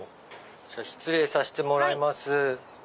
失礼させてもらいます。